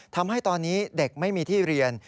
ทำให้ตอนนี้เด็กไม่มีที่เรียน